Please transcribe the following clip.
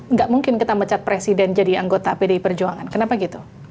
nggak mungkin kita mecat presiden jadi anggota pdi perjuangan kenapa gitu